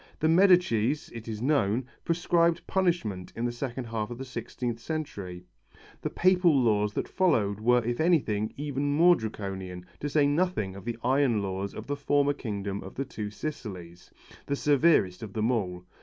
The Medicis, it is known, prescribed punishments in the second half of the sixteenth century; the Papal laws that followed were if anything even more Draconian, to say nothing of the iron laws of the former kingdom of the Two Sicilies, the severest of them all.